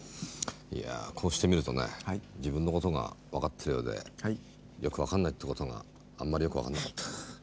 いやこうして見るとね自分のことが分かってるようでよく分かんないってことがあんまりよく分かんなかった。